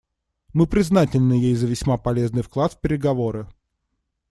Мы признательны ей за весьма полезный вклад в переговоры.